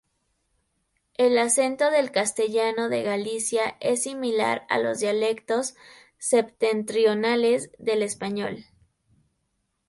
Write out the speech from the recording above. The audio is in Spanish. El acento del castellano de Galicia es similar a los dialectos septentrionales del español.